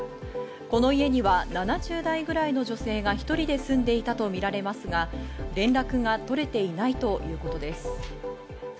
この家には７０代くらいの女性が１人で住んでいたとみられますが、連絡が取れていないということです。